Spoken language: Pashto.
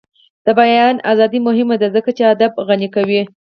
د بیان ازادي مهمه ده ځکه چې ادب غني کوي.